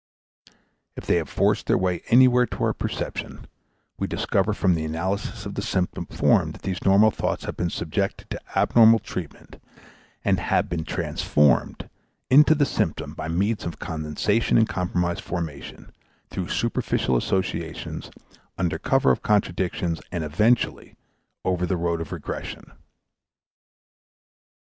If they have forced their way anywhere to our perception, we discover from the analysis of the symptom formed that these normal thoughts have been subjected to abnormal treatment and _have been transformed into the symptom by means of condensation and compromise formation, through superficial associations, under cover of contradictions, and eventually over the road of regression_.